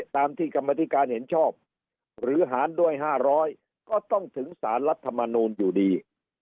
ตามที่กรรมธิการเห็นชอบหรือหารด้วย๕๐๐ก็ต้องถึงสารรัฐมนูลอยู่ดี